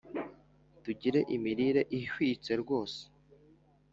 Tugire imirire ihwitse rwose